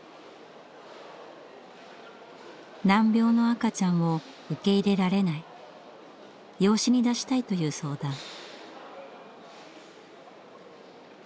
難病の赤ちゃんを受け入れられない養子に出したいという相談。